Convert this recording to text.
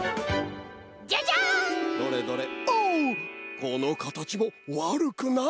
このかたちもわるくない。